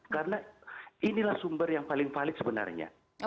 karena inilah sumber yang paling valid sebenarnya